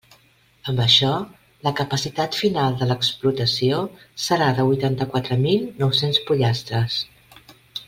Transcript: Amb això, la capacitat final de l'explotació serà de huitanta-quatre mil nou-cents pollastres.